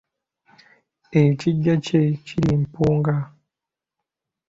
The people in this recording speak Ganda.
Ekiggya kye kiri Mpunga.